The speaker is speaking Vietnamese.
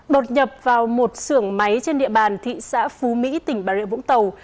bột nhập vào một xưởng máy trên địa bàn thị xã phú mỹ tỉnh bà rịa vũng tàu